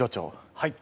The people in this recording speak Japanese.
はい。